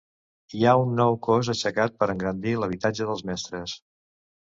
Hi ha un nou cos aixecat per engrandir l'habitatge dels mestres.